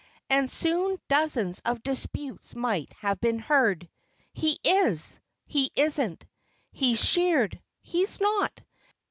And soon dozens of disputes might have been heard: "He is!" "He isn't!" "He's sheared!" "He's not!"